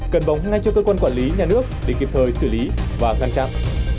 cần bóng ngay cho cơ quan quản lý nhà nước để kịp thời xử lý và ngăn chặn